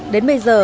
đến bây giờ